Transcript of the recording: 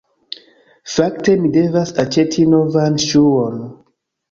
Fakte, mi devas aĉeti novan ŝuon